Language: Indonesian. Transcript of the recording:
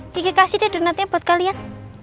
kiki kasih deh donatnya buat kalian